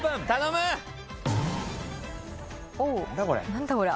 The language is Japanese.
・何だこれ。